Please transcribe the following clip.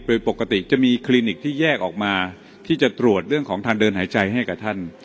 โดยปกติจะมีคลินิกที่แยกออกมาที่จะตรวจเรื่องของทางเดินหายใจให้กับท่าน